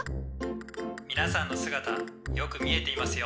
「みなさんの姿よく見えていますよ」。